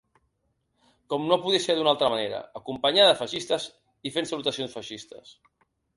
Com no podia ser d'un altre manera acompanyada de feixistes fens salutacions feixistes.